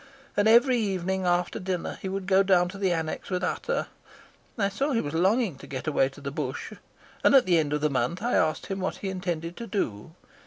And every evening after dinner he would go down to the annexe with Ata. I saw he was longing to get away to the bush, and at the end of the month I asked him what he intended to do.